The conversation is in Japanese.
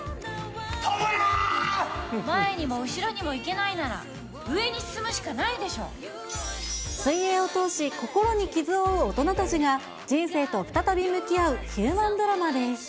前にも後ろにも行けないなら、水泳を通し、心に傷を負う大人たちが、人生と再び向き合うヒューマンドラマです。